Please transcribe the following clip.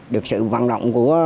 được sự vận động của